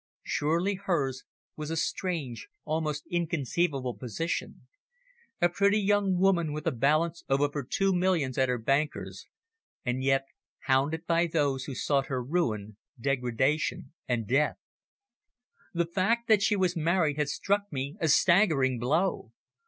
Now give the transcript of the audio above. Surely hers was a strange, almost inconceivable position a pretty young woman with a balance of over two millions at her bankers, and yet hounded by those who sought her ruin, degradation and death. The fact that she was married had struck me a staggering blow.